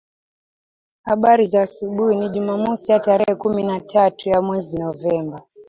abari za asubuhi ni jumamosi ya tarehe kumi na tatu ya mwezi novemba